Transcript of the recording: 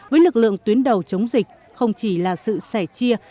với lực lượng tuyến đầu chống dịch không chỉ là sự sẻ chia